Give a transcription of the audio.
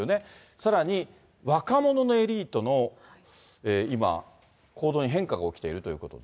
さらに若者のエリートの今、行動に変化が起きているということで。